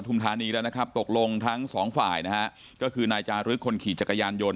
พันธุมธานีย์ละนะครับตกลงทั้ง๒ฝ่ายนะฮะก็คือนายจารึกคนขี่จักรยานยนต์